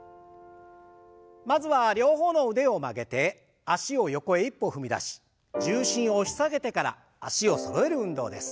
まずは両方の腕を曲げて脚を横へ一歩踏み出し重心を押し下げてから脚をそろえる運動です。